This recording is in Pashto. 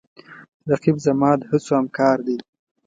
رقیب زما د هڅو همکار دی